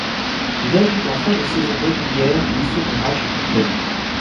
Il ajoute en fin de saison régulière un second match complet.